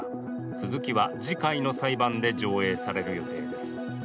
続きは次回の裁判で上映される予定です。